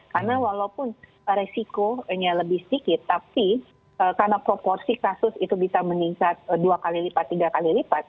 karena walaupun resikonya lebih sedikit tapi karena proporsi kasus itu bisa meningkat dua kali lipat tiga kali lipat